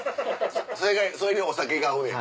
それにお酒が合うねや。